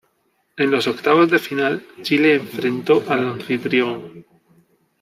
En los octavos de final, Chile enfrentó al anfitrión.